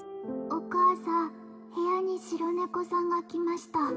お母さん部屋に白猫さんが来ました